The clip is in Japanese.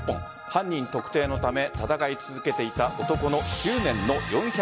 犯人特定のため闘い続けていた男の執念の４００日。